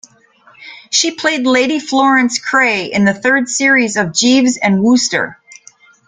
She played Lady Florence Craye in the third series of "Jeeves and Wooster".